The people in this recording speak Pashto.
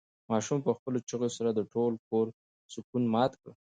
ماشوم په خپلو چیغو سره د ټول کور سکون مات کړ.